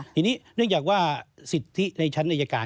ทีนี้เนื่องจากว่าสิทธิในชั้นอายการ